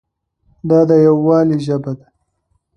دا د یووالي ژبه ده.